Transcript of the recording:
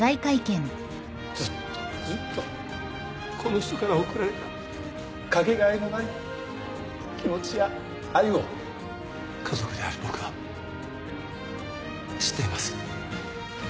ずっとずっとこの人から贈られたかけがえのない気持ちや愛を家族である僕は知っています。